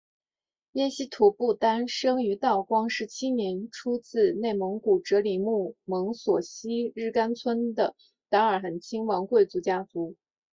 耶希图布丹生于道光十七年出自内蒙古哲里木盟索希日干村的达尔罕亲王贵族家庭。